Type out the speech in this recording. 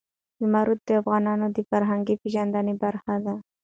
زمرد د افغانانو د فرهنګي پیژندنې برخه ده.